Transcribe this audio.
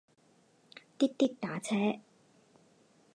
滴滴打车